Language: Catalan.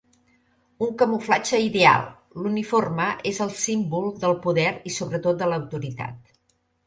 Un camuflatge ideal, l'uniforme és el símbol del poder i sobretot de l'autoritat.